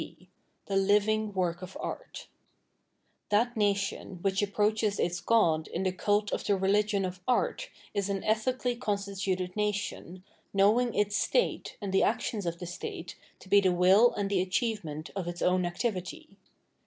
h The Living Woek op Aet Ttat nation wMch approaches its god in the cult of the religion of art is an ethically constituted nation, knowing its State and the acts of the State to be the will and the achievement of its own activity.